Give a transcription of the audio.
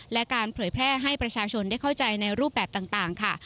และการเผยแพร่ให้ประชาชนได้เข้าใจในรูปแบบต่างค่ะ